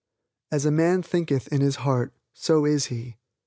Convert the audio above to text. As a man thinketh in his heart so is he.